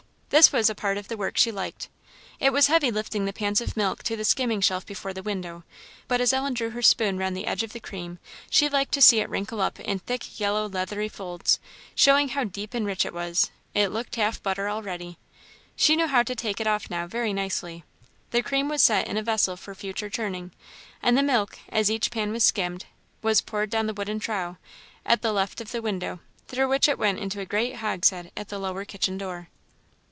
This was a part of the work she liked. It was heavy lifting the pans of milk to the skimming shelf before the window, but as Ellen drew her spoon round the edge of the cream, she liked to see it wrinkle up in thick, yellow, leathery folds, showing how deep and rich it was it looked half butter already. She knew how to take it off now, very nicely. The cream was set by in a vessel for future churning, and the milk, as each pan was skimmed, was poured down the wooden trough, at the left of the window, through which it went into a great hogshead at the lower kitchen door.